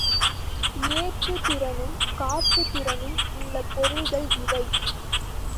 ஏற்புத் திறனும் காப்புத் திறனும் உள்ள பொருள்கள் இவை.